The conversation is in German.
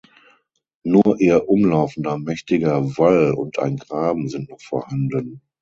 Nur ihr umlaufender mächtiger Wall und ein Graben sind noch vorhanden.